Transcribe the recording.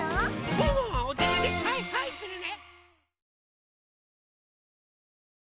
ワンワンはおててではいはいするね！